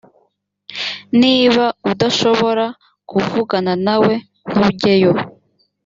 niba udashobora kuvugana nawe, ntujyeyo